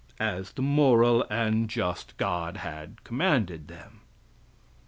(As the moral and just God had commanded them.)